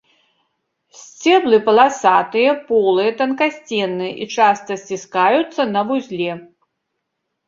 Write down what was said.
Сцеблы паласатыя, полыя, танкасценныя і часта сціскаюцца на вузле.